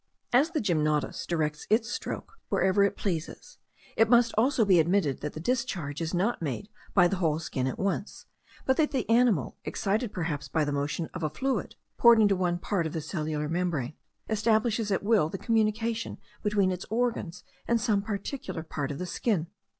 As the gymnotus directs its stroke wherever it pleases, it must also be admitted that the discharge is not made by the whole skin at once, but that the animal, excited perhaps by the motion of a fluid poured into one part of the cellular membrane, establishes at will the communication between its organs and some particular part of the skin.